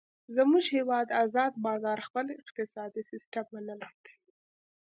زمونږ هیواد ازاد بازار خپل اقتصادي سیستم منلی دی.